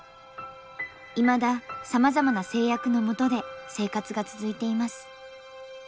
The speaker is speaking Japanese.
いまださまざまな制約のもとで生活が続いています。